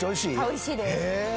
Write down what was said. おいしいです。